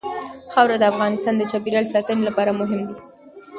خاوره د افغانستان د چاپیریال ساتنې لپاره مهم دي.